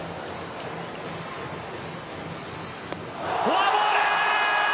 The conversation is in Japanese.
フォアボール！！